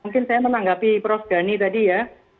mungkin saya menanggapi prof gani tadi ya